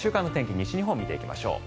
西日本を見ていきましょう。